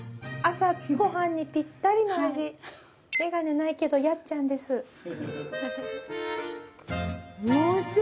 朝ご飯にぴったりの味メガネないけどやっちゃんですおいしい！